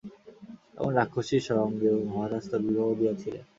এমন রাক্ষসীর সঙ্গেও মহারাজ তাের বিবাহ দিয়াছিলেন!